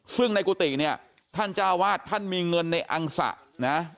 ซึ่งในกุฏิเนี่ยท่านเจ้าวาดท่านมีเงินในอังสะนะ